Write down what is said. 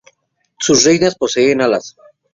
Sus reinas poseen alas.